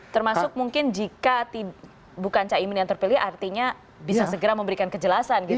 termasuk mungkin jika bukan caimin yang terpilih artinya bisa segera memberikan kejelasan gitu